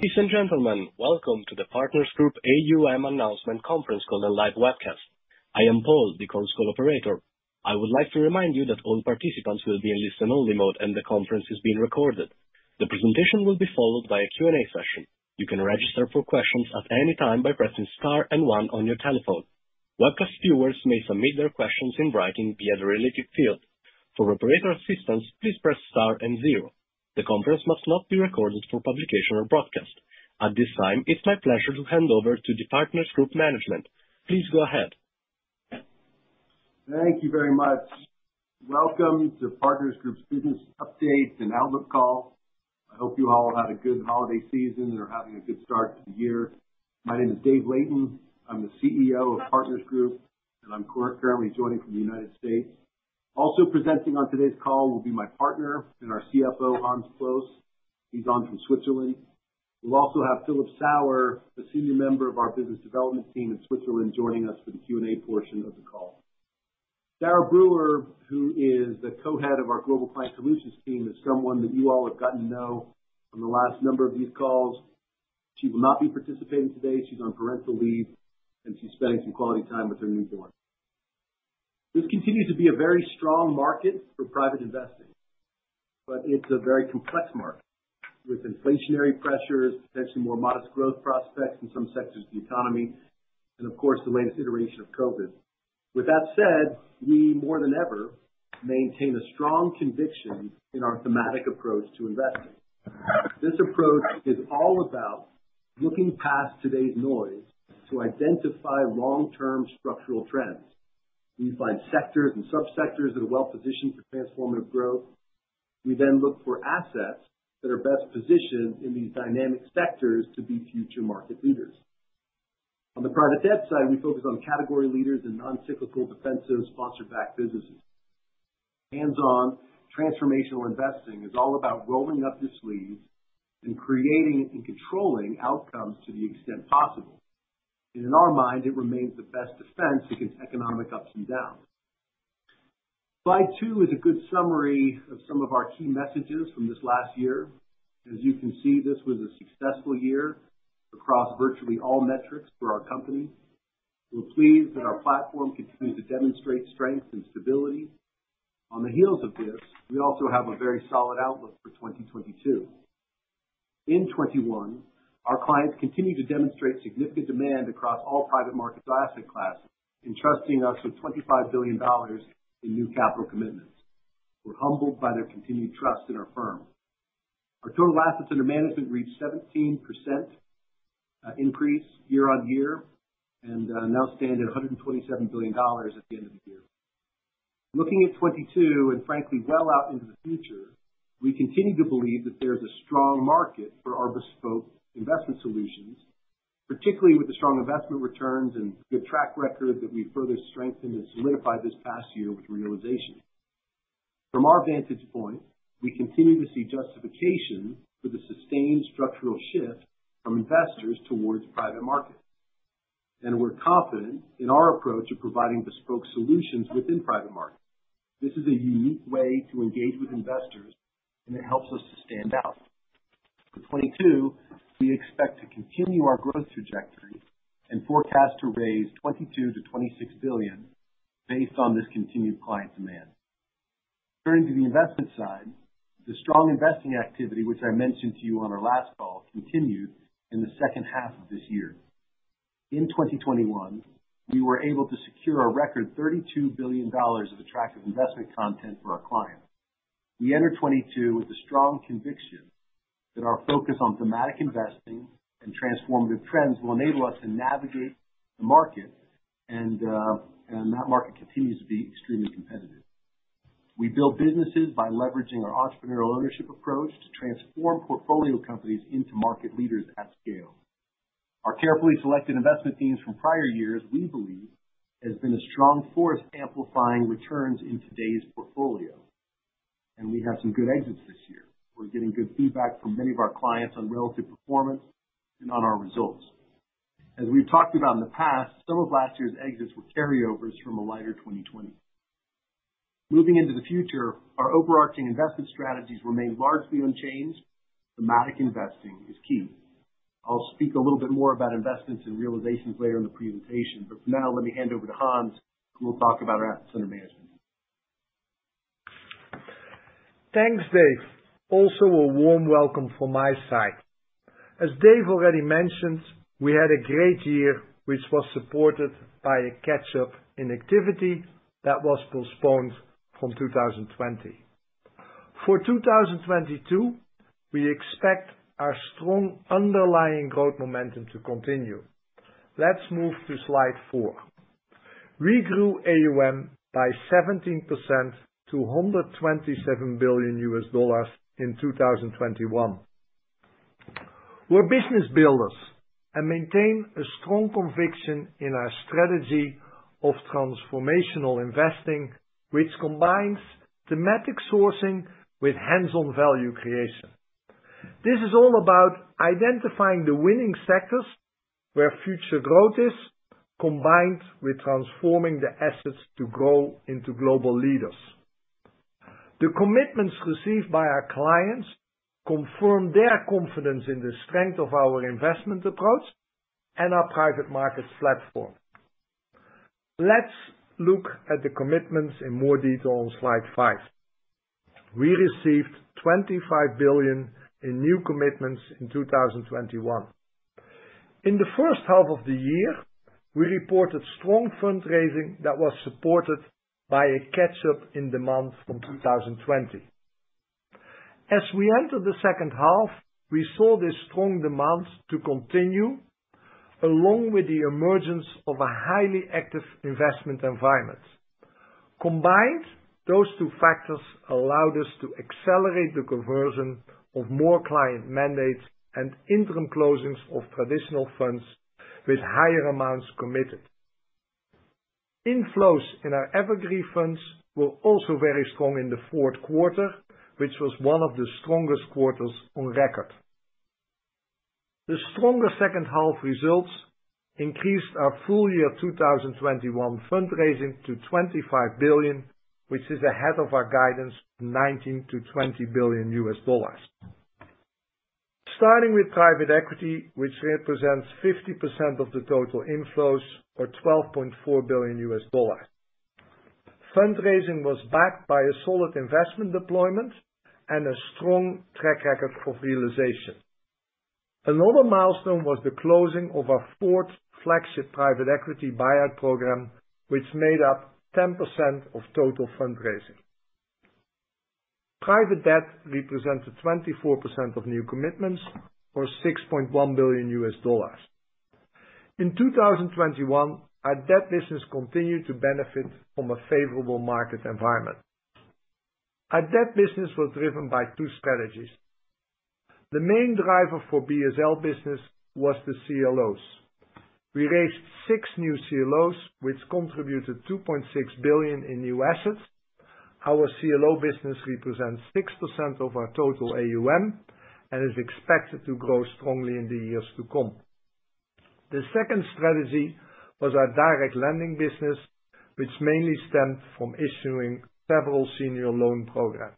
Ladies and gentlemen, welcome to the Partners Group AUM Announcement Conference Call and Live Webcast. I am Paul, the conference call operator. I would like to remind you that all participants will be in listen-only mode, and the conference is being recorded. The presentation will be followed by a Q&A session. You can register for questions at any time by pressing star and one on your telephone. Webcast viewers may submit their questions in writing via the related field. For operator assistance, please press star and zero. The conference must not be recorded for publication or broadcast. At this time, it's my pleasure to hand over to Partners Group management. Please go ahead. Thank you very much. Welcome to Partners Group's Business Update and Outlook Call. I hope you all had a good holiday season and are having a good start to the year. My name is Dave Layton. I'm the CEO of Partners Group, and I'm currently joining from the United States. Also presenting on today's call will be my partner and our CFO, Hans Ploos van Amstel. He's on from Switzerland. We'll also have Philip Sauer, a senior member of our business development team in Switzerland, joining us for the Q&A portion of the call. Sarah Brewer, who is the co-head of our Global Client Solutions team, is someone that you all have gotten to know on the last number of these calls. She will not be participating today. She's on parental leave, and she's spending some quality time with her newborn. This continues to be a very strong market for private investing, but it's a very complex market with inflationary pressures, potentially more modest growth prospects in some sectors of the economy, and of course, the latest iteration of COVID. With that said, we more than ever maintain a strong conviction in our thematic approach to investing. This approach is all about looking past today's noise to identify long-term structural trends. We find sectors and sub-sectors that are well-positioned for transformative growth. We then look for assets that are best positioned in these dynamic sectors to be future market leaders. On the private debt side, we focus on category leaders and non-cyclical defensive sponsor-backed businesses. Hands-on transformational investing is all about rolling up the sleeves and creating and controlling outcomes to the extent possible. In our mind, it remains the best defense against economic ups and downs. Slide two is a good summary of some of our key messages from this last year. As you can see, this was a successful year across virtually all metrics for our company. We're pleased that our platform continued to demonstrate strength and stability. On the heels of this, we also have a very solid outlook for 2022. In 2021, our clients continued to demonstrate significant demand across all private markets asset classes, entrusting us with $25 billion in new capital commitments. We're humbled by their continued trust in our firm. Our total assets under management reached 17% increase year-on-year, and now stand at $127 billion at the end of the year. Looking at 2022, and frankly well out into the future, we continue to believe that there's a strong market for our bespoke investment solutions, particularly with the strong investment returns and good track record that we further strengthened and solidified this past year with realization. From our vantage point, we continue to see justification for the sustained structural shift from investors towards private markets. We're confident in our approach of providing bespoke solutions within private markets. This is a unique way to engage with investors, and it helps us to stand out. For 2022, we expect to continue our growth trajectory and forecast to raise $22 billion-$26 billion based on this continued client demand. Turning to the investment side, the strong investing activity, which I mentioned to you on our last call, continued in the second half of this year. In 2021, we were able to secure a record $32 billion of attractive investment content for our clients. We enter 2022 with a strong conviction that our focus on thematic investing and transformative trends will enable us to navigate the market. That market continues to be extremely competitive. We build businesses by leveraging our entrepreneurial ownership approach to transform portfolio companies into market leaders at scale. Our carefully selected investment themes from prior years, we believe, has been a strong force amplifying returns in today's portfolio. We have some good exits this year. We're getting good feedback from many of our clients on relative performance and on our results. As we've talked about in the past, some of last year's exits were carryovers from a lighter 2020. Moving into the future, our overarching investment strategies remain largely unchanged. Thematic investing is key. I'll speak a little bit more about investments and realizations later in the presentation, but for now, let me hand over to Hans, who will talk about our assets under management. Thanks, David. Also a warm welcome from my side. As David already mentioned, we had a great year, which was supported by a catch-up in activity that was postponed from 2020. For 2022, we expect our strong underlying growth momentum to continue. Let's move to slide 4. We grew AUM by 17% to $127 billion in 2021. We're business builders and maintain a strong conviction in our strategy of transformational investing, which combines thematic sourcing with hands-on value creation. This is all about identifying the winning sectors where future growth is, combined with transforming the assets to grow into global leaders. The commitments received by our clients confirm their confidence in the strength of our investment approach and our private markets platform. Let's look at the commitments in more detail on slide 5. We received $25 billion in new commitments in 2021. In the first half of the year, we reported strong fundraising that was supported by a catch-up in momentum from 2020. As we entered the second half, we saw this strong demand to continue along with the emergence of a highly active investment environment. Combined, those two factors allowed us to accelerate the conversion of more client mandates and interim closings of traditional funds with higher amounts committed. Inflows in our evergreen funds were also very strong in the fourth quarter, which was one of the strongest quarters on record. The stronger second-half results increased our full year 2021 fundraising to $25 billion, which is ahead of our guidance, $19 billion-$20 billion. Starting with private equity, which represents 50% of the total inflows or $12.4 billion. Fundraising was backed by a solid investment deployment and a strong track record for realization. Another milestone was the closing of our fourth flagship private equity buy-out program, which made up 10% of total fundraising. Private debt represented 24% of new commitments or $6.1 billion. In 2021, our debt business continued to benefit from a favorable market environment. Our debt business was driven by two strategies. The main driver for BSL business was the CLOs. We raised six new CLOs, which contributed $2.6 billion in new assets. Our CLO business represents 6% of our total AUM and is expected to grow strongly in the years to come. The second strategy was our direct lending business, which mainly stemmed from issuing several senior loan programs.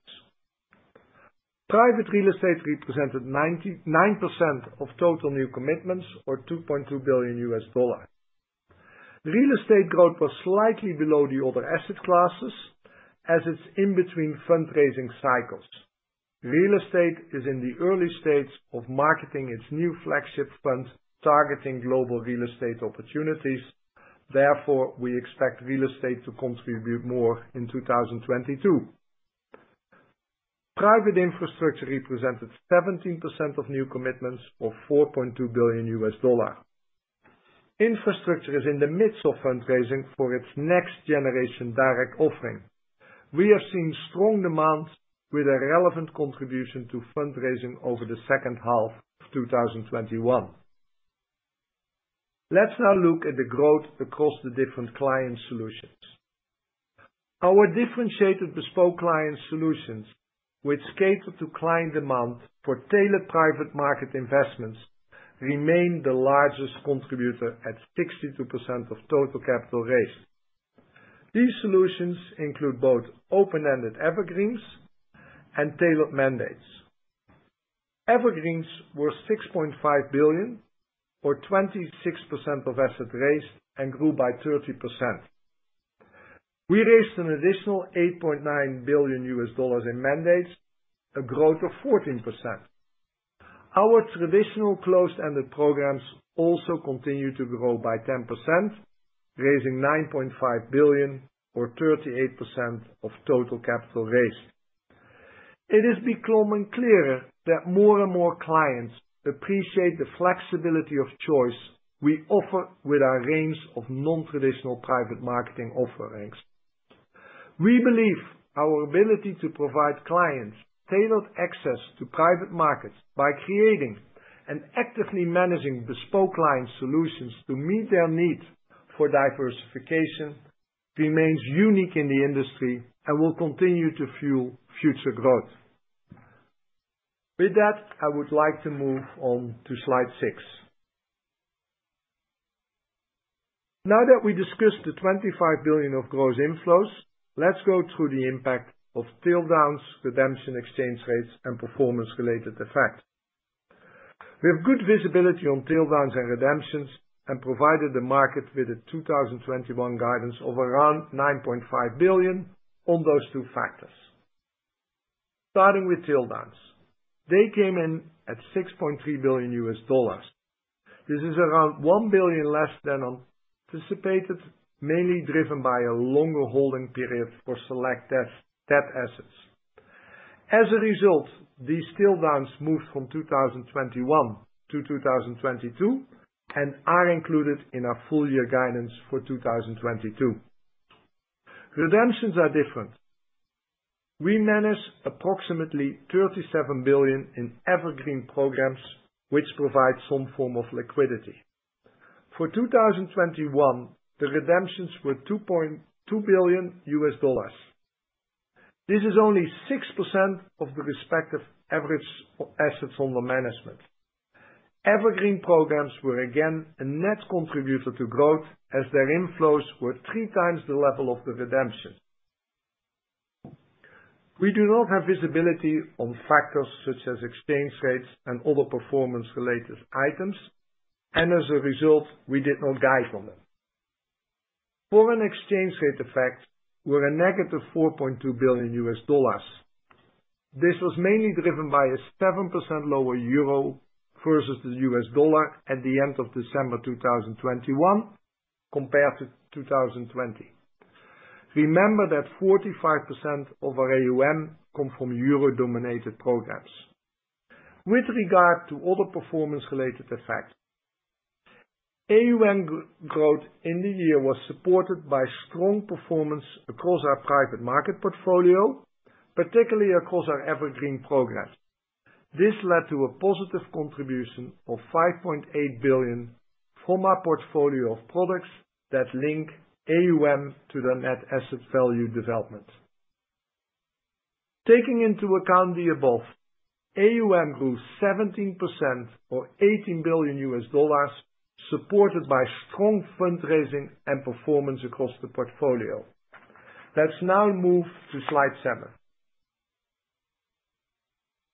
Private real estate represented 99% of total new commitments or $2.2 billion. Real estate growth was slightly below the other asset classes as it's in between fundraising cycles. Real estate is in the early stages of marketing its new flagship fund targeting global real estate opportunities. Therefore, we expect real estate to contribute more in 2022. Private infrastructure represented 17% of new commitments or $4.2 billion. Infrastructure is in the midst of fundraising for its next generation direct offering. We have seen strong demand with a relevant contribution to fundraising over the second half of 2021. Let's now look at the growth across the different client solutions. Our differentiated bespoke client solutions, which cater to client demand for tailored private market investments, remain the largest contributor at 62% of total capital raised. These solutions include both open-ended evergreens and tailored mandates. Evergreens were $6.5 billion or 26% of assets raised and grew by 30%. We raised an additional $8.9 billion in mandates, a growth of 14%. Our traditional closed-ended programs also continued to grow by 10%, raising $9.5 billion or 38% of total capital raised. It is becoming clearer that more and more clients appreciate the flexibility of choice we offer with our range of non-traditional private markets offerings. We believe our ability to provide clients tailored access to private markets by creating and actively managing bespoke client solutions to meet their needs for diversification remains unique in the industry and will continue to fuel future growth. With that, I would like to move on to slide 6. Now that we discussed the 25 billion of gross inflows, let's go through the impact of drawdowns, redemption, exchange rates, and performance-related effects. We have good visibility on drawdowns and redemptions and provided the market with a 2021 guidance of around $9.5 billion on those two factors. Starting with drawdowns, they came in at $6.3 billion. This is around $1 billion less than anticipated, mainly driven by a longer holding period for select debt assets. As a result, these tail downs moved from 2021 to 2022 and are included in our full year guidance for 2022. Redemptions are different. We manage approximately $37 billion in evergreen programs, which provide some form of liquidity. For 2021, the redemptions were $2.2 billion. This is only 6% of the respective average assets under management. Evergreen programs were again a net contributor to growth as their inflows were three times the level of the redemption. We do not have visibility on factors such as exchange rates and other performance-related items, and as a result, we did not guide on them. Foreign exchange rate effects were a negative $4.2 billion. This was mainly driven by a 7% lower euro versus the US dollar at the end of December 2021 compared to 2020. Remember that 45% of our AUM come from euro-denominated programs. With regard to other performance-related effects, AUM growth in the year was supported by strong performance across our private market portfolio, particularly across our evergreen programs. This led to a positive contribution of $5.8 billion from our portfolio of products that link AUM to the net asset value development. Taking into account the above, AUM grew 17% or $18 billion, supported by strong fundraising and performance across the portfolio. Let's now move to slide 7.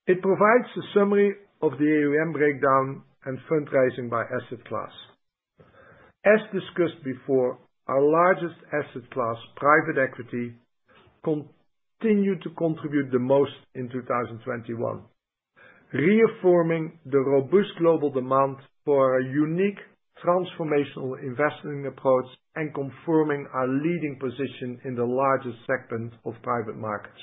It provides a summary of the AUM breakdown and fundraising by asset class. As discussed before, our largest asset class, private equity, continued to contribute the most in 2021, reaffirming the robust global demand for our unique transformational investing approach and confirming our leading position in the largest segment of private markets.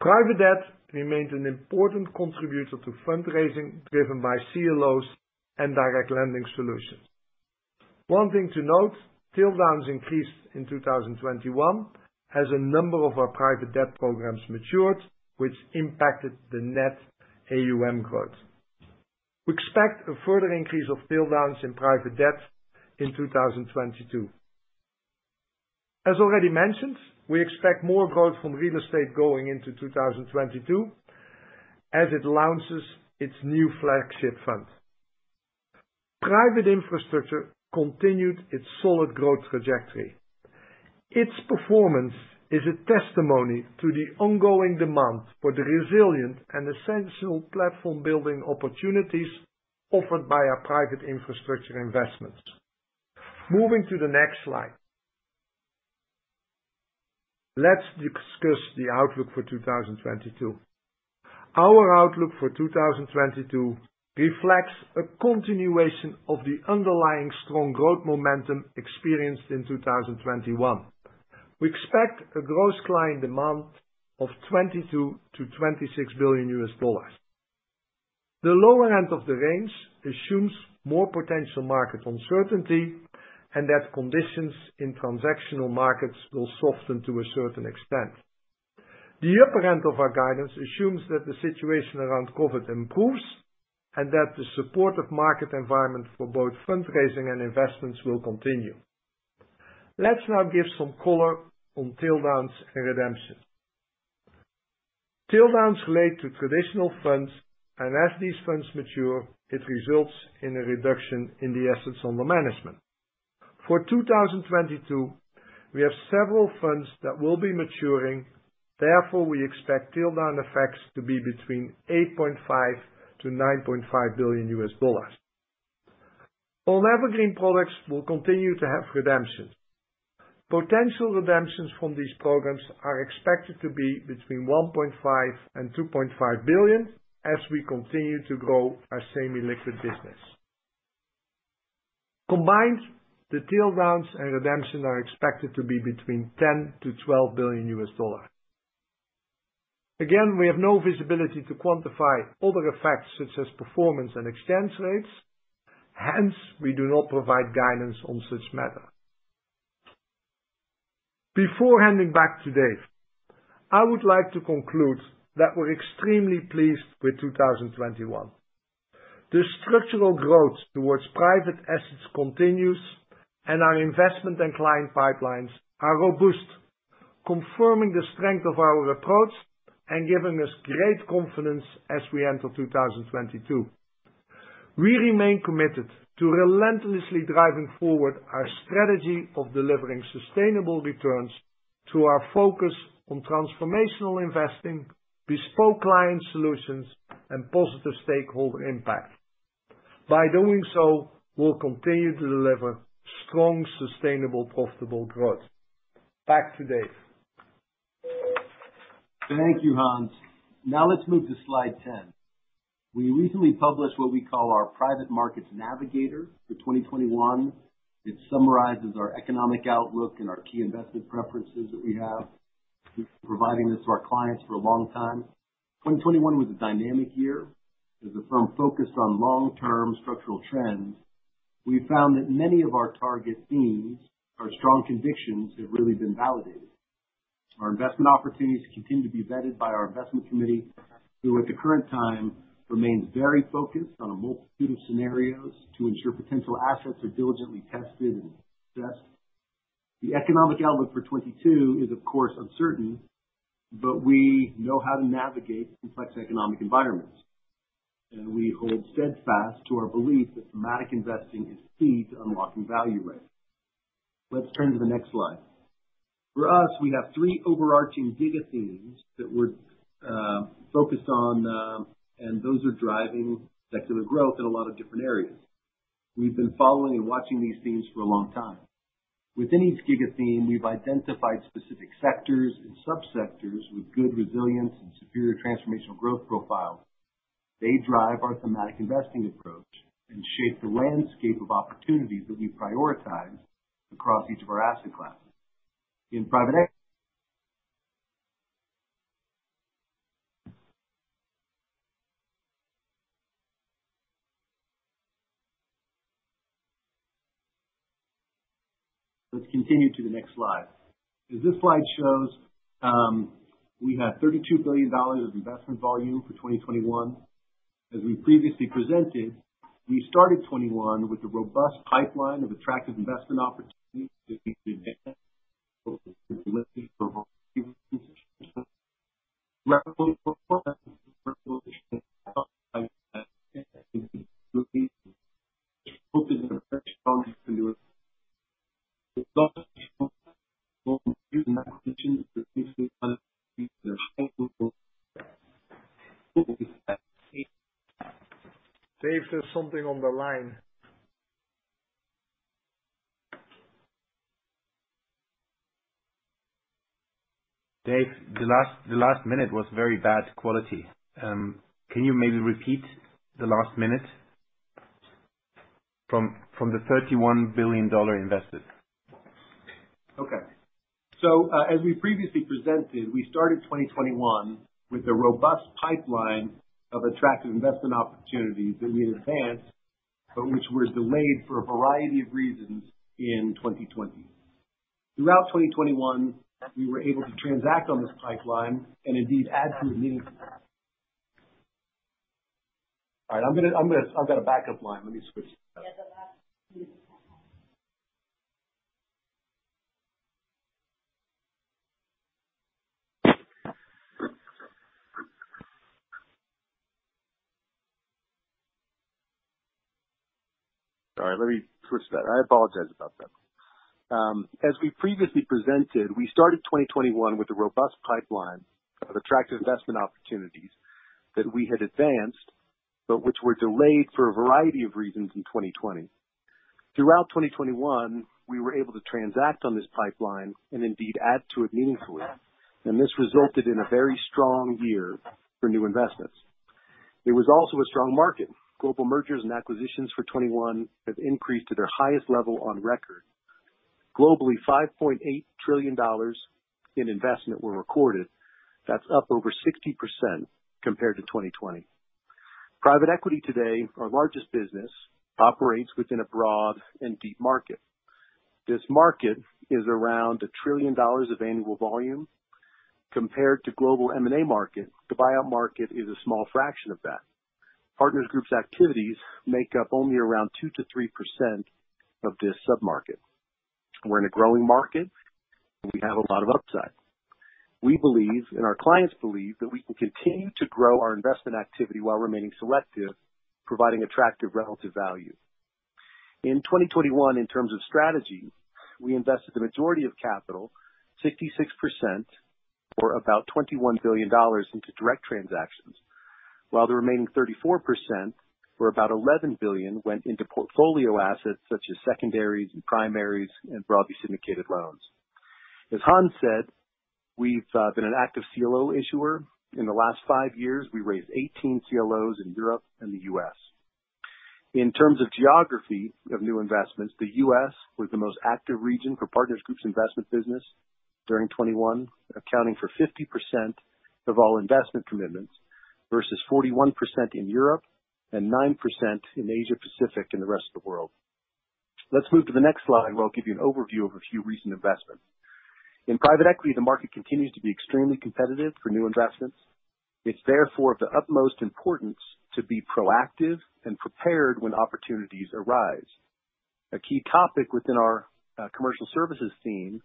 Private debt remains an important contributor to fundraising, driven by CLOs and direct lending solutions. One thing to note, tail downs increased in 2021 as a number of our private debt programs matured, which impacted the net AUM growth. We expect a further increase of tail downs in private debt in 2022. As already mentioned, we expect more growth from real estate going into 2022 as it launches its new flagship fund. Private infrastructure continued its solid growth trajectory. Its performance is a testimony to the ongoing demand for the resilient and essential platform building opportunities offered by our private infrastructure investments. Moving to the next slide. Let's discuss the outlook for 2022. Our outlook for 2022 reflects a continuation of the underlying strong growth momentum experienced in 2021. We expect a gross client demand of $22 billion-$26 billion. The lower end of the range assumes more potential market uncertainty, and that conditions in transactional markets will soften to a certain extent. The upper end of our guidance assumes that the situation around COVID improves, and that the supportive market environment for both fundraising and investments will continue. Let's now give some color on tailwinds and redemptions. Tail downs relate to traditional funds, and as these funds mature, it results in a reduction in the assets under management. For 2022, we have several funds that will be maturing. Therefore, we expect tail down effects to be between $8.5 billion-$9.5 billion. Our evergreen products will continue to have redemptions. Potential redemptions from these programs are expected to be between $1.5 billion-$2.5 billion as we continue to grow our semi-liquid business. Combined, the tail downs and redemption are expected to be between $10 billion-$12 billion. Again, we have no visibility to quantify other effects such as performance and exchange rates, hence we do not provide guidance on such matter. Before handing back to Dave, I would like to conclude that we're extremely pleased with 2021. The structural growth towards private assets continues and our investment and client pipelines are robust, confirming the strength of our approach and giving us great confidence as we enter 2022. We remain committed to relentlessly driving forward our strategy of delivering sustainable returns through our focus on transformational investing, bespoke client solutions and positive stakeholder impact. By doing so, we'll continue to deliver strong, sustainable, profitable growth. Back to Dave. Thank you, Hans. Now let's move to slide 10. We recently published what we call our Private Markets Navigator for 2021. It summarizes our economic outlook and our key investment preferences that we have. We've been providing this to our clients for a long time. 2021 was a dynamic year. As the firm focused on long-term structural trends, we found that many of our target themes, our strong convictions, have really been validated. Our investment opportunities continue to be vetted by our investment committee, who at the current time remains very focused on a multitude of scenarios to ensure potential assets are diligently tested and assessed. The economic outlook for 2022 is of course uncertain, but we know how to navigate complex economic environments. We hold steadfast to our belief that thematic investing is key to unlocking value creation. Let's turn to the next slide. For us, we have three overarching giga themes that we're focused on, and those are driving secular growth in a lot of different areas. We've been following and watching these themes for a long time. Within each giga theme, we've identified specific sectors and subsectors with good resilience and superior transformational growth profile. They drive our thematic investing approach and shape the landscape of opportunities that we prioritize across each of our asset classes. In private equity. Let's continue to the next slide. As this slide shows, we have $32 billion of investment volume for 2021. As we previously presented, we started 2021 with a robust pipeline of attractive investment opportunities that we've been. Dave, there's something on the line. Dave, the last minute was very bad quality. Can you maybe repeat the last minute from the $31 billion invested? As we previously presented, we started 2021 with a robust pipeline of attractive investment opportunities that we advanced, but which were delayed for a variety of reasons in 2020. Throughout 2021, we were able to transact on this pipeline and indeed add to it meaningfully. All right, I've got a backup line. Let me switch. Yeah, the last. All right, let me switch that. I apologize about that. As we previously presented, we started 2021 with a robust pipeline of attractive investment opportunities that we had advanced, but which were delayed for a variety of reasons in 2020. Throughout 2021, we were able to transact on this pipeline and indeed add to it meaningfully. This resulted in a very strong year for new investments. It was also a strong market. Global mergers and acquisitions for 2021 have increased to their highest level on record. Globally, $5.8 trillion in investments were recorded. That's up over 60% compared to 2020. Private equity today, our largest business, operates within a broad and deep market. This market is around $1 trillion of annual volume. Compared to global M&A market, the buyout market is a small fraction of that. Partners Group's activities make up only around 2%-3% of this sub-market. We're in a growing market, and we have a lot of upside. We believe, and our clients believe, that we can continue to grow our investment activity while remaining selective, providing attractive relative value. In 2021, in terms of strategy, we invested the majority of capital, 66% or about $21 billion into direct transactions, while the remaining 34%, or about $11 billion, went into portfolio assets such as secondaries and primaries and broadly syndicated loans. As Hans said, we've been an active CLO issuer. In the last five years, we raised 18 CLOs in Europe and the U.S. In terms of geography of new investments, the U.S. was the most active region for Partners Group's investment business during 2021, accounting for 50% of all investment commitments versus 41% in Europe and 9% in Asia-Pacific and the rest of the world. Let's move to the next slide where I'll give you an overview of a few recent investments. In private equity, the market continues to be extremely competitive for new investments. It's therefore of the utmost importance to be proactive and prepared when opportunities arise. A key topic within our commercial services theme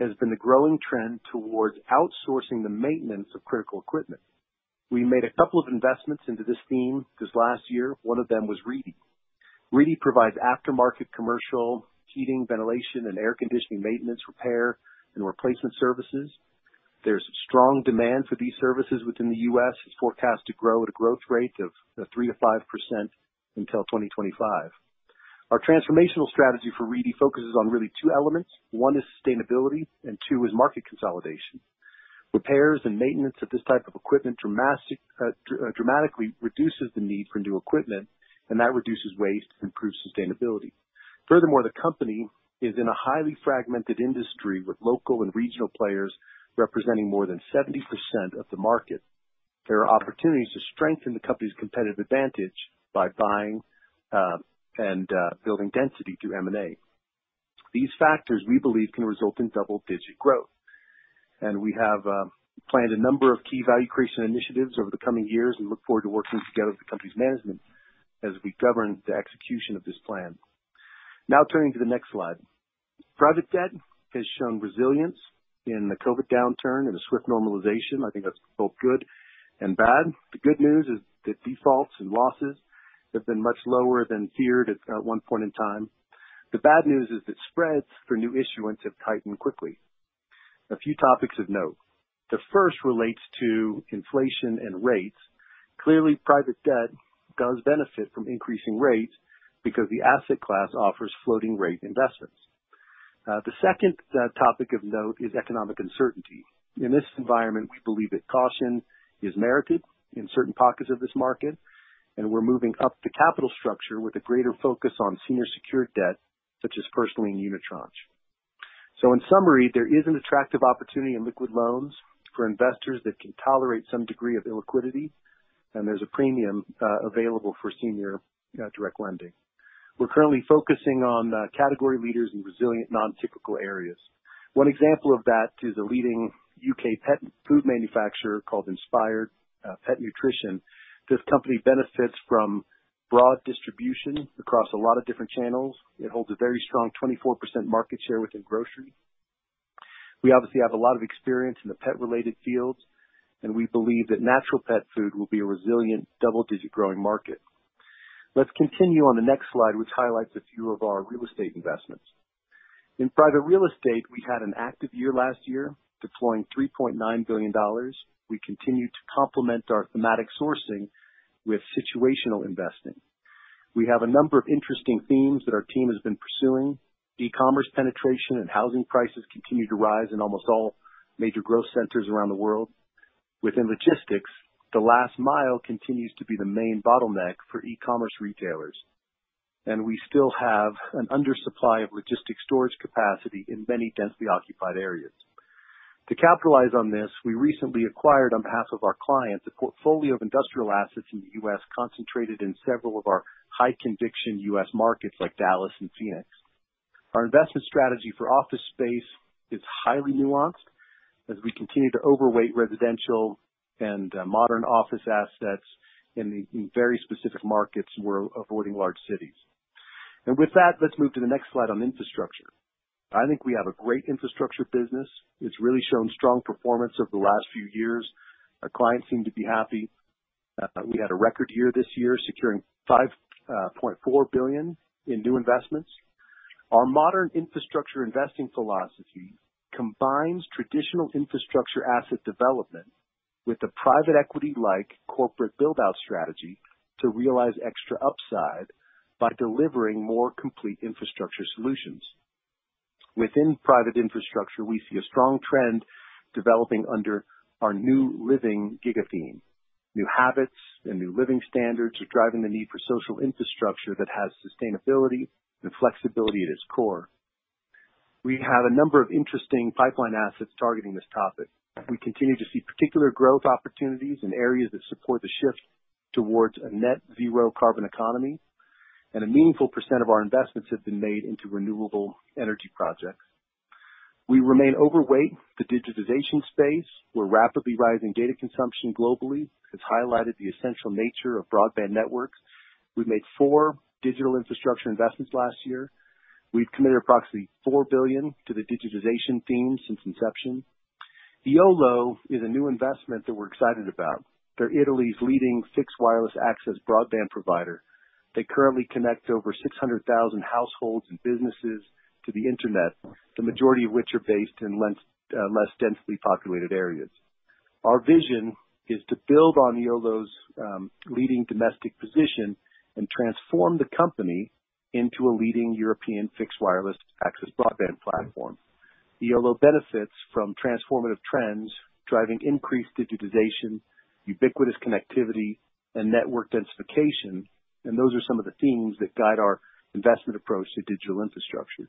has been the growing trend towards outsourcing the maintenance of critical equipment. We made a couple of investments into this theme this last year. One of them was Reedy. Reedy provides aftermarket commercial heating, ventilation, and air conditioning, maintenance, repair, and replacement services. There's strong demand for these services within the U.S. It's forecast to grow at a growth rate of 3%-5% until 2025. Our transformational strategy for Reedy focuses on really two elements. One is sustainability and two is market consolidation. Repairs and maintenance of this type of equipment dramatically reduces the need for new equipment, and that reduces waste and improves sustainability. Furthermore, the company is in a highly fragmented industry, with local and regional players representing more than 70% of the market. There are opportunities to strengthen the company's competitive advantage by buying and building density through M&A. These factors, we believe, can result in double-digit growth. We have planned a number of key value creation initiatives over the coming years and look forward to working together with the company's management as we govern the execution of this plan. Now turning to the next slide. Private debt has shown resilience in the COVID downturn and a swift normalization. I think that's both good and bad. The good news is that defaults and losses have been much lower than feared at one point in time. The bad news is that spreads for new issuance have tightened quickly. A few topics of note. The first relates to inflation and rates. Clearly, private debt does benefit from increasing rates because the asset class offers floating rate investments. The second topic of note is economic uncertainty. In this environment, we believe that caution is merited in certain pockets of this market, and we're moving up the capital structure with a greater focus on senior secured debt, such as particularly in unitranche. In summary, there is an attractive opportunity in liquid loans for investors that can tolerate some degree of illiquidity, and there's a premium available for senior direct lending. We're currently focusing on category leaders in resilient, non-cyclical areas. One example of that is a leading U.K. pet food manufacturer called Inspired Pet Nutrition. This company benefits from broad distribution across a lot of different channels. It holds a very strong 24% market share within grocery. We obviously have a lot of experience in the pet related fields, and we believe that natural pet food will be a resilient double-digit growing market. Let's continue on the next slide, which highlights a few of our real estate investments. In private real estate, we had an active year last year, deploying $3.9 billion. We continue to complement our thematic sourcing with situational investing. We have a number of interesting themes that our team has been pursuing. E-commerce penetration and housing prices continue to rise in almost all major growth centers around the world. Within logistics, the last mile continues to be the main bottleneck for e-commerce retailers, and we still have an undersupply of logistics storage capacity in many densely occupied areas. To capitalize on this, we recently acquired, on behalf of our clients, a portfolio of industrial assets in the U.S. concentrated in several of our high conviction U.S. markets like Dallas and Phoenix. Our investment strategy for office space is highly nuanced as we continue to overweight residential and modern office assets in very specific markets. We're avoiding large cities. With that, let's move to the next slide on infrastructure. I think we have a great infrastructure business. It's really shown strong performance over the last few years. Our clients seem to be happy. We had a record year this year, securing $5.4 billion in new investments. Our modern infrastructure investing philosophy combines traditional infrastructure asset development with the private equity-like corporate build out strategy to realize extra upside by delivering more complete infrastructure solutions. Within private infrastructure, we see a strong trend developing under our New Living giga theme. New habits and new living standards are driving the need for social infrastructure that has sustainability and flexibility at its core. We have a number of interesting pipeline assets targeting this topic. We continue to see particular growth opportunities in areas that support the shift towards a net zero carbon economy, and a meaningful % of our investments have been made into renewable energy projects. We remain overweight. The digitization space, where rapidly rising data consumption globally has highlighted the essential nature of broadband networks. We've made 4 digital infrastructure investments last year. We've committed approximately $4 billion to the digitization theme since inception. EOLO is a new investment that we're excited about. They're Italy's leading fixed wireless access broadband provider. They currently connect over 600,000 households and businesses to the Internet, the majority of which are based in less densely populated areas. Our vision is to build on EOLO's leading domestic position and transform the company into a leading European fixed wireless access broadband platform. EOLO benefits from transformative trends driving increased digitization, ubiquitous connectivity, and network densification, and those are some of the themes that guide our investment approach to digital infrastructure.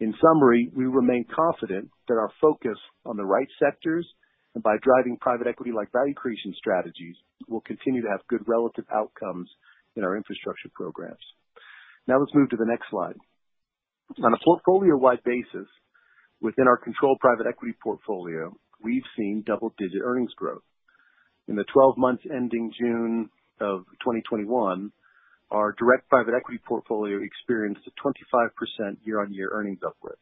In summary, we remain confident that our focus on the right sectors, and by driving private equity like value creation strategies, we'll continue to have good relative outcomes in our infrastructure programs. Now let's move to the next slide. On a portfolio-wide basis, within our controlled private equity portfolio, we've seen double-digit earnings growth. In the 12 months ending June of 2021, our direct private equity portfolio experienced a 25% year-on-year earnings uplift.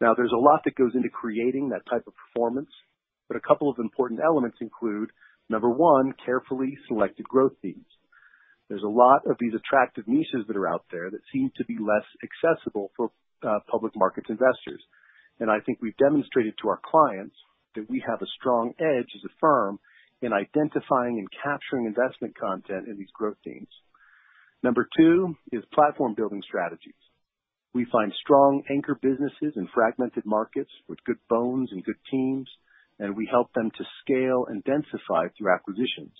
Now, there's a lot that goes into creating that type of performance, but a couple of important elements include, number 1, carefully selected growth themes. There's a lot of these attractive niches that are out there that seem to be less accessible for public markets investors. I think we've demonstrated to our clients that we have a strong edge as a firm in identifying and capturing investment content in these growth themes. Number two is platform building strategies. We find strong anchor businesses in fragmented markets with good bones and good teams, and we help them to scale and densify through acquisitions.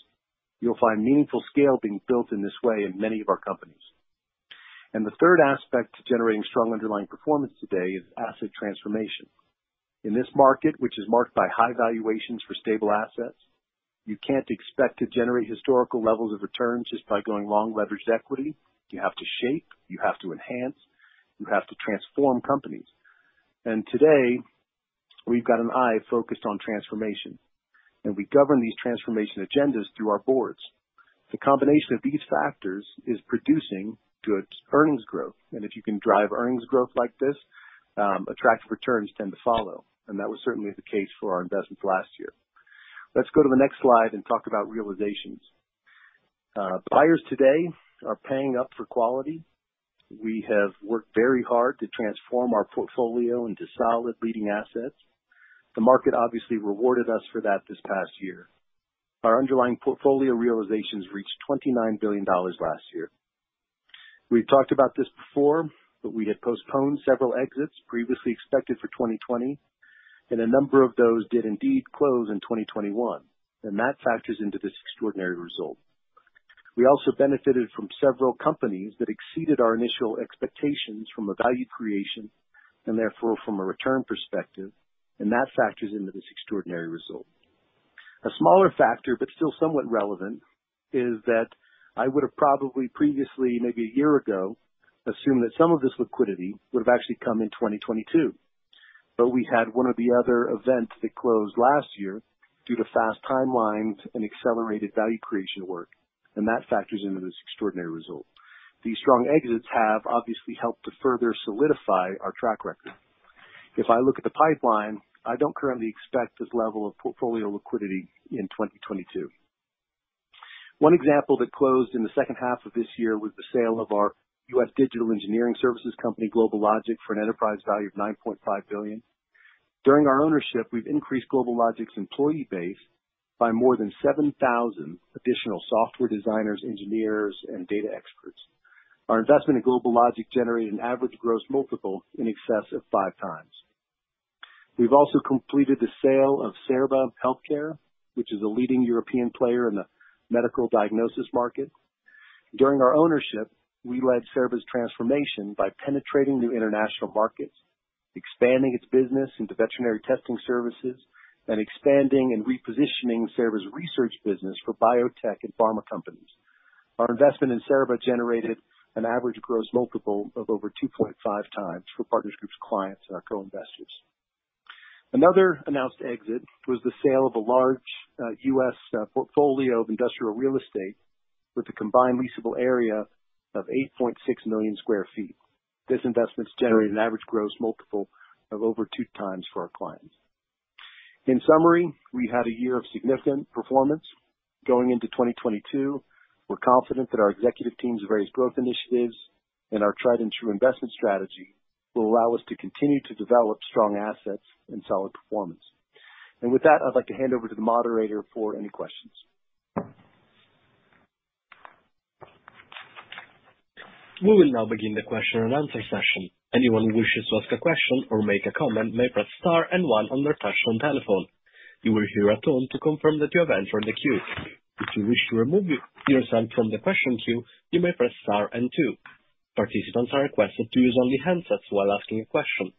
You'll find meaningful scale being built in this way in many of our companies. The third aspect to generating strong underlying performance today is asset transformation. In this market, which is marked by high valuations for stable assets. You can't expect to generate historical levels of returns just by going long leveraged equity. You have to shape, you have to enhance, you have to transform companies. Today, we've got an eye focused on transformation, and we govern these transformation agendas through our boards. The combination of these factors is producing good earnings growth. If you can drive earnings growth like this, attractive returns tend to follow. That was certainly the case for our investments last year. Let's go to the next slide and talk about realizations. Buyers today are paying up for quality. We have worked very hard to transform our portfolio into solid leading assets. The market obviously rewarded us for that this past year. Our underlying portfolio realizations reached $29 billion last year. We've talked about this before, but we had postponed several exits previously expected for 2020, and a number of those did indeed close in 2021. That factors into this extraordinary result. We also benefited from several companies that exceeded our initial expectations from a value creation and therefore from a return perspective, and that factors into this extraordinary result. A smaller factor, but still somewhat relevant, is that I would have probably previously, maybe a year ago, assumed that some of this liquidity would have actually come in 2022. We had one or two events that closed last year due to fast timelines and accelerated value creation work, and that factors into this extraordinary result. These strong exits have obviously helped to further solidify our track record. If I look at the pipeline, I don't currently expect this level of portfolio liquidity in 2022. One example that closed in the second half of this year was the sale of our U.S. digital engineering services company, GlobalLogic, for an enterprise value of $9.5 billion. During our ownership, we've increased GlobalLogic's employee base by more than 7,000 additional software designers, engineers, and data experts. Our investment in GlobalLogic generated an average gross multiple in excess of 5x. We've also completed the sale of Cerba HealthCare, which is a leading European player in the medical diagnosis market. During our ownership, we led Cerba's transformation by penetrating new international markets, expanding its business into veterinary testing services, and expanding and repositioning Cerba's research business for biotech and pharma companies. Our investment in Cerba generated an average gross multiple of over 2.5x for Partners Group's clients and our co-investors. Another announced exit was the sale of a large US portfolio of industrial real estate with a combined leasable area of 8.6 million sq ft. This investment's generated an average gross multiple of over 2x for our clients. In summary, we had a year of significant performance. Going into 2022, we're confident that our executive team's various growth initiatives and our tried-and-true investment strategy will allow us to continue to develop strong assets and solid performance. With that, I'd like to hand over to the moderator for any questions. We will now begin the question and answer session. Anyone who wishes to ask a question or make a comment may press star and one on their touch-tone telephone. You will hear a tone to confirm that you have entered the queue. If you wish to remove yourself from the question queue, you may press star and two. Participants are requested to use only handsets while asking a question.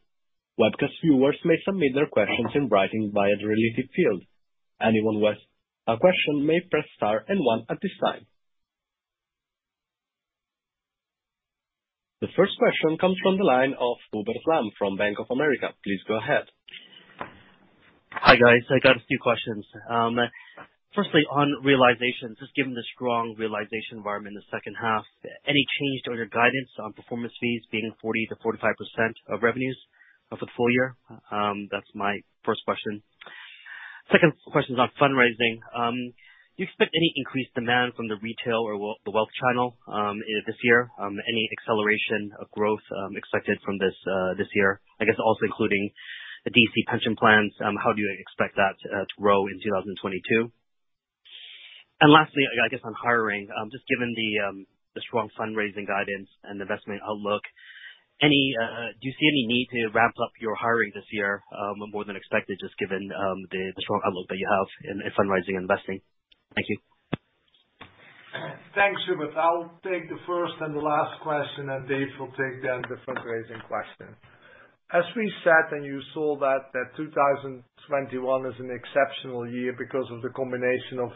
Webcast viewers may submit their questions in writing via the related field. Anyone with a question may press star and one at this time. The first question comes from the line of Hubert Lam from Bank of America. Please go ahead. Hi, guys. I got a few questions. Firstly, on realizations, just given the strong realization environment in the second half, any change on your guidance on performance fees being 40%-45% of revenues for the full year? That's my first question. Second question is on fundraising. Do you expect any increased demand from the retail or the wealth channel, this year? Any acceleration of growth, expected from this year? I guess also including the DC pension plans, how do you expect that to grow in 2022? Lastly, I guess on hiring, just given the strong fundraising guidance and investment outlook, do you see any need to ramp up your hiring this year, more than expected just given the strong outlook that you have in fundraising and investing? Thank you. Thanks, Hubert. I'll take the first and the last question, and Dave will take the fundraising question. As we said, and you saw that 2021 is an exceptional year because of the combination of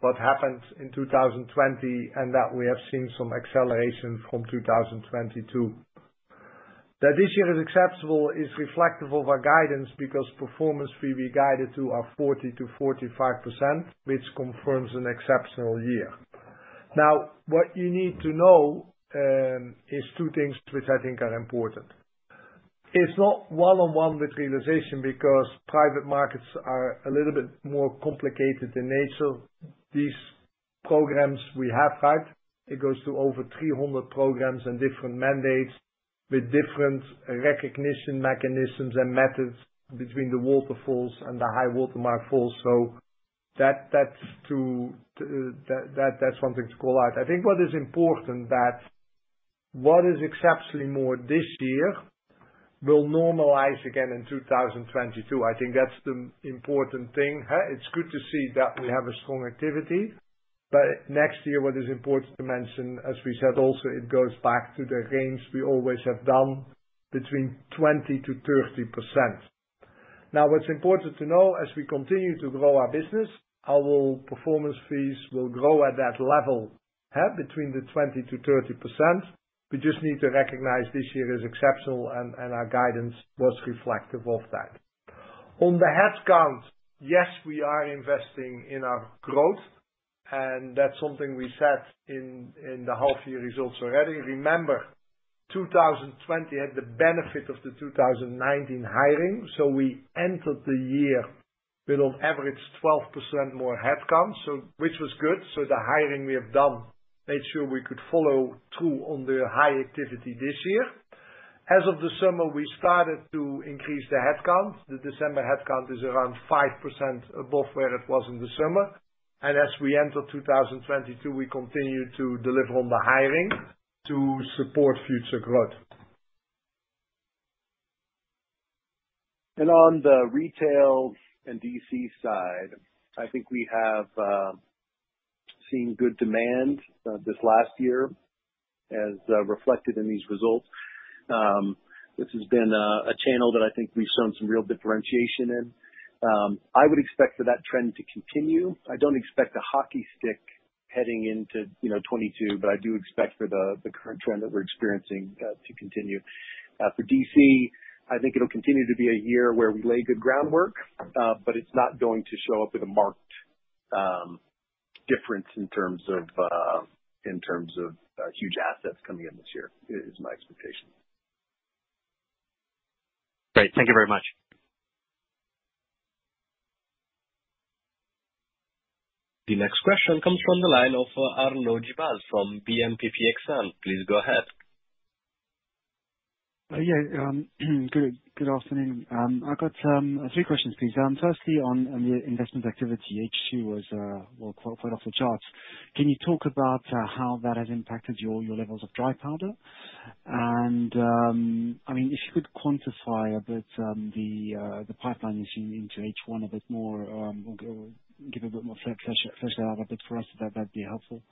what happened in 2020, and that we have seen some acceleration from 2022. That this year is exceptional is reflective of our guidance because performance fee, we guided to our 40%-45%, which confirms an exceptional year. Now, what you need to know is two things which I think are important. It's not one-on-one with realization because private markets are a little bit more complicated in nature. These programs we have, right, it goes to over 300 programs and different mandates with different recognition mechanisms and methods between the waterfalls and the high watermark falls. So that's to. That's something to call out. I think what is important is that what is exceptionally more this year will normalize again in 2022. I think that's the important thing, huh. It's good to see that we have a strong activity. Next year, what is important to mention, as we said also, it goes back to the range we always have done between 20%-30%. Now, what's important to know as we continue to grow our business, our performance fees will grow at that level, at between 20%-30%. We just need to recognize this year is exceptional and our guidance was reflective of that. On the headcount, yes, we are investing in our growth, and that's something we said in the half year results already. Remember, 2020 had the benefit of the 2019 hiring. We entered the year with on average 12% more headcount, which was good. The hiring we have done made sure we could follow through on the high activity this year. As of December, we started to increase the headcount. The December headcount is around 5% above where it was in December. As we enter 2022, we continue to deliver on the hiring to support future growth. On the retail and DC side, I think we have seen good demand this last year as reflected in these results. This has been a channel that I think we've shown some real differentiation in. I would expect for that trend to continue. I don't expect a hockey stick heading into, you know, 2022, but I do expect for the current trend that we're experiencing to continue. For DC, I think it'll continue to be a year where we lay good groundwork, but it's not going to show up with a marked difference in terms of huge assets coming in this year, is my expectation. Great. Thank you very much. The next question comes from the line of Arnaud Giblat from BNP Paribas Exane. Please go ahead. Yeah. Good afternoon. I've got three questions, please. Firstly on the investment activity, H2 was well quite off the charts. Can you talk about how that has impacted your levels of dry powder? I mean, if you could quantify a bit the pipeline you see into H1 a bit more, or give a bit more flesh out a bit for us, that'd be helpful.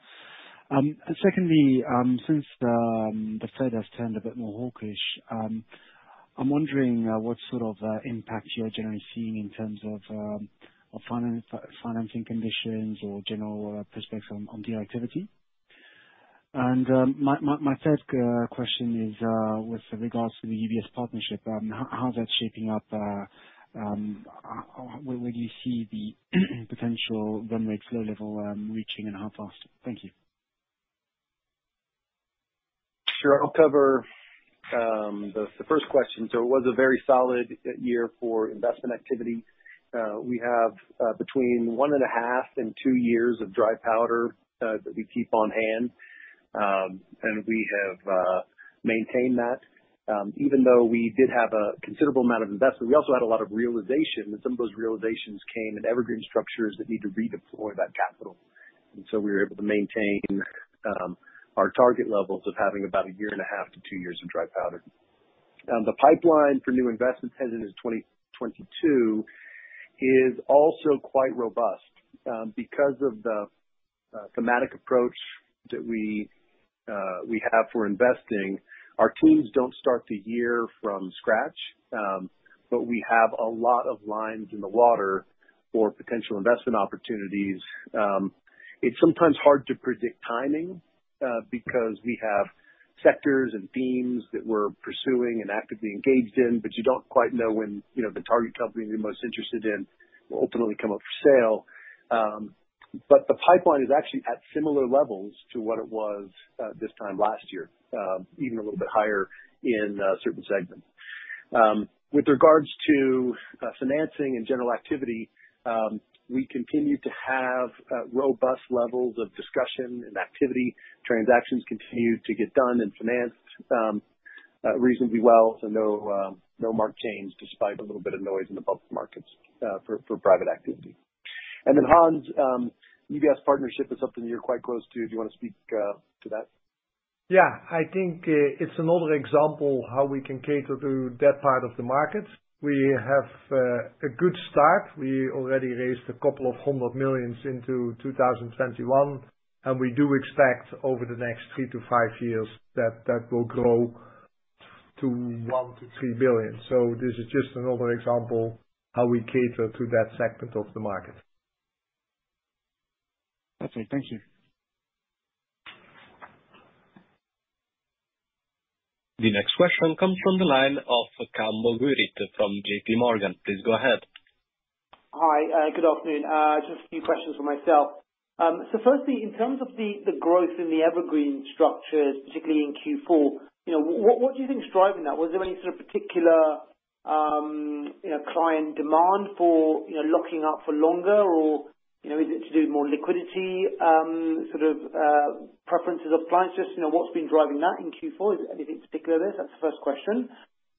Secondly, since the Fed has turned a bit more hawkish, I'm wondering what sort of impact you're generally seeing in terms of financing conditions or general prospects on deal activity. My third question is with regard to the UBS partnership, how is that shaping up, where do you see the potential run rate flow level reaching and how fast? Thank you. Sure. I'll cover the first question. It was a very solid year for investment activity. We have between 1.5 and 2 years of dry powder that we keep on hand. We have maintained that. Even though we did have a considerable amount of investment, we also had a lot of realization, and some of those realizations came in evergreen structures that need to redeploy that capital. We were able to maintain our target levels of having about 1.5-2 years of dry powder. The pipeline for new investments heading into 2022 is also quite robust. Because of the thematic approach that we have for investing, our teams don't start the year from scratch, but we have a lot of lines in the water for potential investment opportunities. It's sometimes hard to predict timing, because we have sectors and themes that we're pursuing and actively engaged in, but you don't quite know when, you know, the target company you're most interested in will ultimately come up for sale. The pipeline is actually at similar levels to what it was this time last year, even a little bit higher in certain segments. With regards to financing and general activity, we continue to have robust levels of discussion and activity. Transactions continue to get done and financed reasonably well. No marked change despite a little bit of noise in the public markets for private activity. Then Hans, UBS partnership is something you're quite close to. Do you wanna speak to that? Yeah. I think it's another example how we can cater to that part of the market. We have a good start. We already raised a couple of hundred million in 2021, and we do expect over the next 3-5 years that that will grow to $1 billion-$3 billion. This is just another example how we cater to that segment of the market. That's it. Thank you. The next question comes from the line of Campbell Gourie from JP Morgan. Please go ahead. Hi, good afternoon. Just a few questions from myself. So firstly, in terms of the growth in the evergreen structures, particularly in Q4, you know, what do you think is driving that? Was there any sort of particular client demand for locking up for longer? Or is it to do with more liquidity, sort of, preferences of clients? Just what's been driving that in Q4? Is there anything particular there? That's the first question.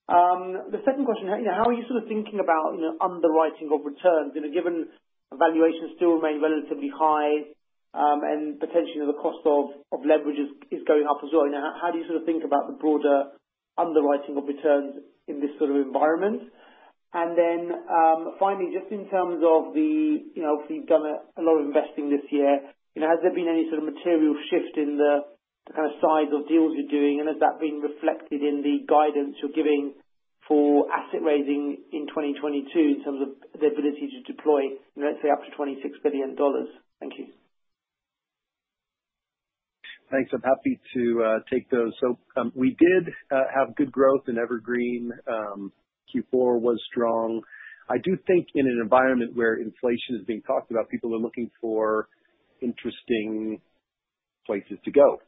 The second question, how are you sort of thinking about underwriting of returns? You know, given valuations still remain relatively high, and potentially the cost of leverage is going up as well. You know, how do you sort of think about the broader underwriting of returns in this sort of environment? Then, finally, just in terms of the, you know, obviously you've done a lot of investing this year. You know, has there been any sort of material shift in the kind of size of deals you're doing and has that been reflected in the guidance you're giving for asset raising in 2022 in terms of the ability to deploy, let's say up to $26 billion? Thank you. Thanks. I'm happy to take those. We did have good growth in Evergreen. Q4 was strong. I do think in an environment where inflation is being talked about, people are looking for interesting places to go.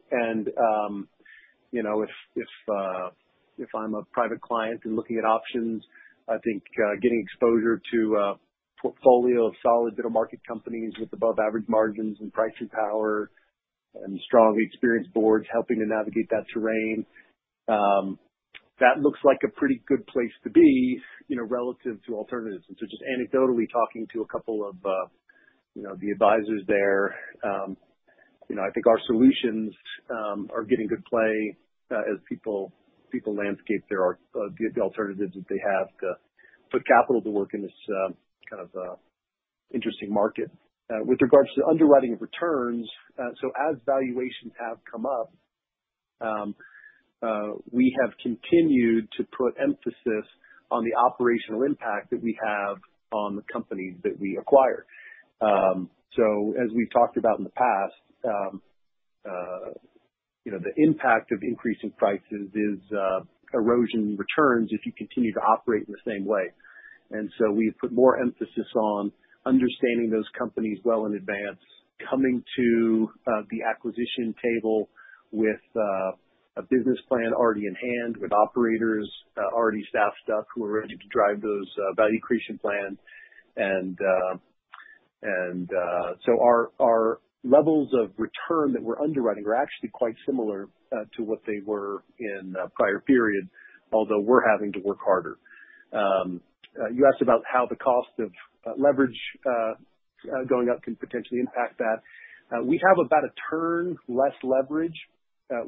If I'm a private client and looking at options, I think getting exposure to a portfolio of solid middle market companies with above average margins and pricing power and strongly experienced boards helping to navigate that terrain, that looks like a pretty good place to be relative to alternatives. Just anecdotally talking to a couple of, you know, the advisors there, you know, I think our solutions are getting good play, as people landscape there are the alternatives that they have to put capital to work in this kind of interesting market. With regards to the underwriting of returns, as valuations have come up, we have continued to put emphasis on the operational impact that we have on the companies that we acquire. As we've talked about in the past, you know, the impact of increasing prices is erosion returns if you continue to operate in the same way. We've put more emphasis on understanding those companies well in advance. Coming to the acquisition table with a business plan already in hand with operators already staffed up who are ready to drive those value accretion plans. Our levels of return that we're underwriting are actually quite similar to what they were in a prior period, although we're having to work harder. You asked about how the cost of leverage going up can potentially impact that. We have about a turn less leverage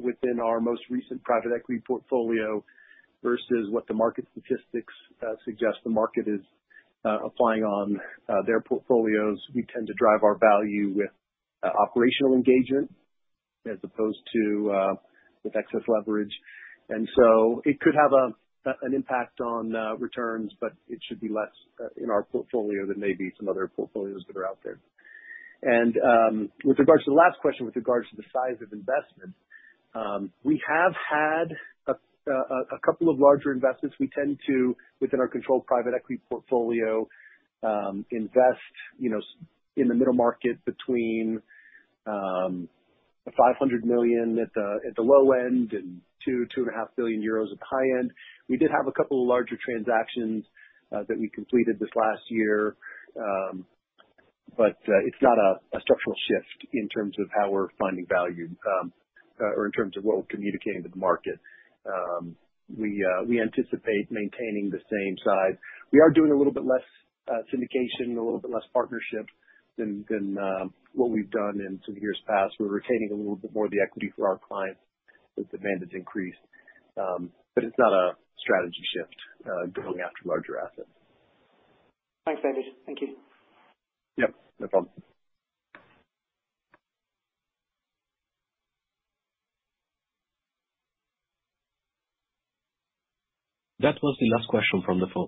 within our most recent private equity portfolio versus what the market statistics suggest the market is applying on their portfolios. We tend to drive our value with operational engagement as opposed to with excess leverage. It could have an impact on returns, but it should be less in our portfolio than maybe some other portfolios that are out there. With regards to the last question with regards to the size of investment, we have had a couple of larger investments. We tend to, within our controlled private equity portfolio, invest in the middle market between 500 million at the low end and 2.5 billion euros at the high end. We did have a couple of larger transactions that we completed this last year. It's not a structural shift in terms of how we're finding value or in terms of what we're communicating to the market. We anticipate maintaining the same size. We are doing a little bit less syndication, a little bit less partnership than what we've done in some years past. We're retaining a little bit more of the equity for our clients as demand has increased. It's not a strategy shift going after larger assets. Thanks, David. Thank you. Yep, no problem. That was the last question from the phone.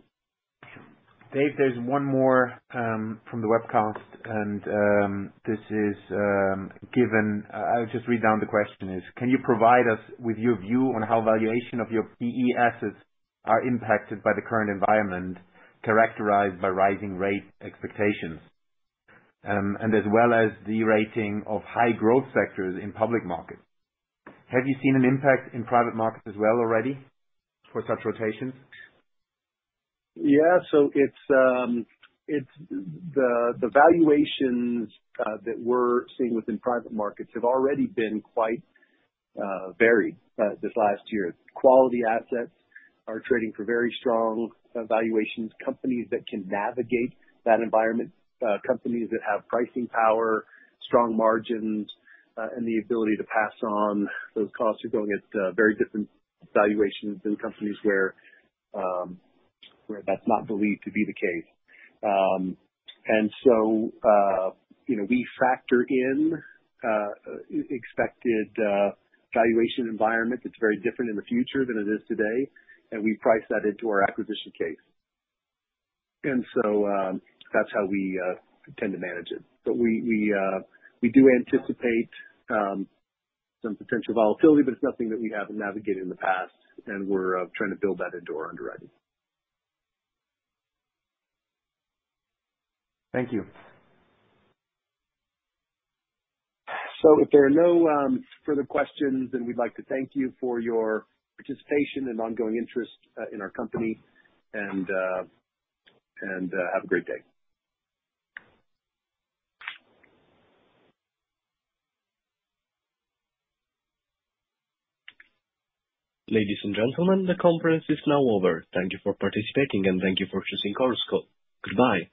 Dave, there's one more from the webcast and this is. I'll just read the question: Can you provide us with your view on how valuation of your PE assets are impacted by the current environment characterized by rising rate expectations and as well as derating of high growth sectors in public markets? Have you seen an impact in private markets as well already for such rotations? Yeah. It's the valuations that we're seeing within private markets have already been quite varied this last year. Quality assets are trading for very strong valuations. Companies that can navigate that environment, companies that have pricing power, strong margins, and the ability to pass on those costs are going at very different valuations than companies where that's not believed to be the case. You know, we factor in expected valuation environment that's very different in the future than it is today, and we price that into our acquisition case. That's how we tend to manage it. We do anticipate some potential volatility, but it's nothing that we haven't navigated in the past, and we're trying to build that into our underwriting. Thank you. If there are no further questions, then we'd like to thank you for your participation and ongoing interest in our company and have a great day. Ladies and gentlemen, the conference is now over. Thank you for participating, and thank you for choosing Callsco. Goodbye.